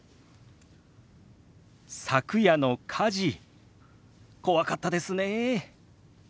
「昨夜の火事怖かったですね」。